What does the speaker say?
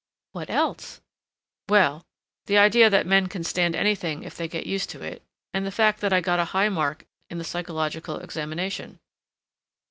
"What else?" "Well, the idea that men can stand anything if they get used to it, and the fact that I got a high mark in the psychological examination."